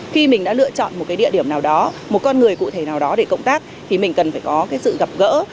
khi mình đã lựa chọn một cái địa điểm nào đó một con người cụ thể nào đó để công tác thì mình cần phải có cái sự gặp gỡ